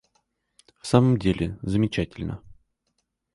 В самом деле, замечательно.